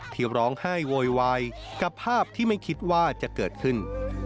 ที่ร้องไห้โวยวายกับภาพที่ไม่คิดว่าจะเกิดขึ้น